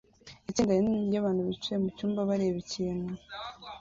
Itsinda rinini ryabantu bicaye mucyumba bareba ikintu